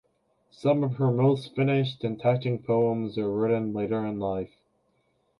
Some of her most finished and touching poems were written later in life.